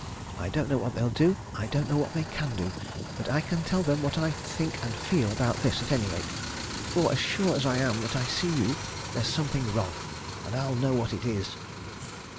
I don't know what they'll do. I don't know what they can do. But I can tell them what I think and feel about this, at any rate. For as sure as I am that I see you, there's something wrong! And I'll know what it is."